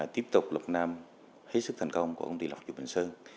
dịch tục lọc nam hết sức thành công của công ty lọc dầu bình sơn